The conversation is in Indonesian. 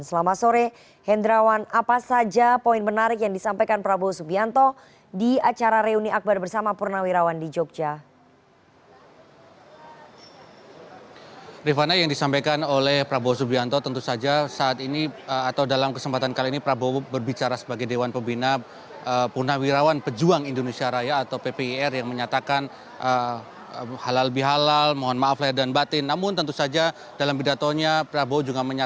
selama sore hendrawan apa saja poin menarik yang disampaikan prabowo subianto di acara reuni akbar bersama purnawirawan di jogja